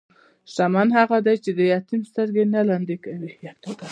شتمن هغه دی چې د یتیم سترګې نه لمدې کوي.